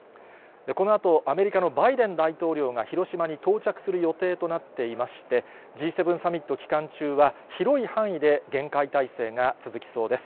このあと、アメリカのバイデン大統領が広島に到着する予定となっていまして、Ｇ７サミット期間中は、広い範囲で厳戒態勢が続きそうです。